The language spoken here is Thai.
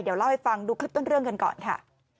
เดี๋ยวเล่าให้ฟังดูคลิปต้นเรื่องกันก่อนค่ะ